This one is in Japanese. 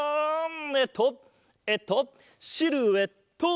えっとえっとシルエット！